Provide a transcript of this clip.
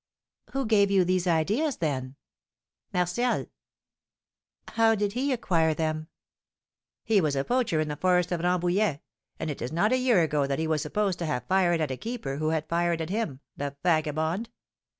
"Who gave you these ideas, then?" "Martial." "How did he acquire them?" "He was a poacher in the forest of Rambouillet; and it is not a year ago that he was supposed to have fired at a keeper who had fired at him, the vagabond!